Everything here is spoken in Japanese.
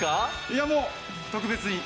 いやもう特別に。